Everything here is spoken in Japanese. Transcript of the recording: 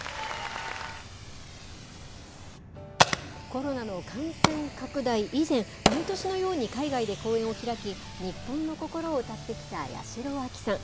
コロナの感染拡大以前、毎年のように海外で公演を開き、日本の心を歌ってきた八代亜紀さん。